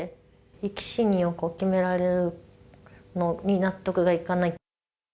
生き死にを決められるのに納得がいかない。